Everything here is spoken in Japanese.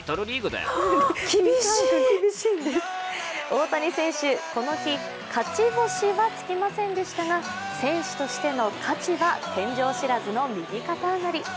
大谷選手、この日、勝ち星はつきませんでしたが、選手としての勝ちは天井知らずの右肩上がり。